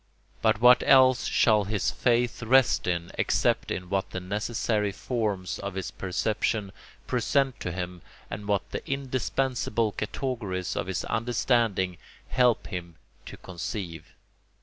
But what else shall his faith rest in except in what the necessary forms of his perception present to him and what the indispensable categories of his understanding help him to conceive?